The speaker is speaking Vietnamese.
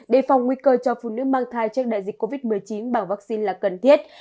đề phòng nguy cơ cho phụ nữ mang thai trước đại dịch covid một mươi chín bằng vaccine là cần thiết